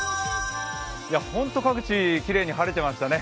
本当各地きれいに晴れてましたね。